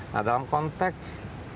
nah dalam konteks